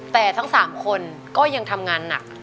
แต่ทั้ง๓คนก็ยังทำงานหนัก